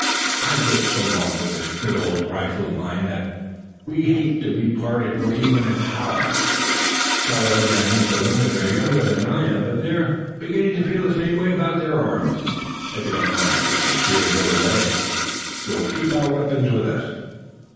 "I've lived so long with this good old rifle of mine that we hate to be parted even for an hour. Tayoga and Mr. Lennox are younger than I am, but they're beginning to feel the same way about their arms. If you don't mind, Monsieur Jolivet, we'll keep our weapons with us."